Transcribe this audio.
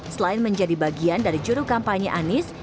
selain menjadi bagian dari juru kampanye anies